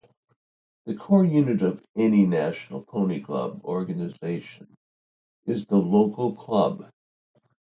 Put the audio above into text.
The core unit of any national Pony Club organization is the local club.